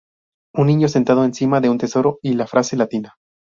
Un niño sentado encima de un tesoro y la frase latina.